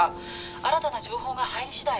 新たな情報が入りしだい